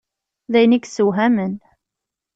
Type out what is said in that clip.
D ayen i issewhamen.